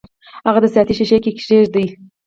هغه د ساعتي ښيښې کې کیږدئ.